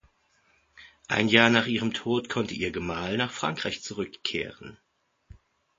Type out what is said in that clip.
Ein Jahr nach ihrem Tod konnte ihr Gemahl nach Frankreich zurückkehren.